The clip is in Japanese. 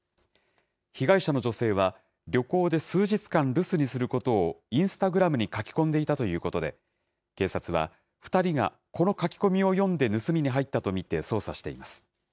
被害者の女性は、旅行で数日間、留守にすることを、インスタグラムに書き込んでいたということで、警察は、２人がこの書き込みを読んで盗みに入ったと見て捜査しています。